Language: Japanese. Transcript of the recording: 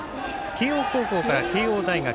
慶応高校から慶応大学